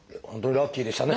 ラッキーでしたね。